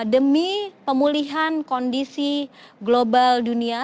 demi pemulihan kondisi global dunia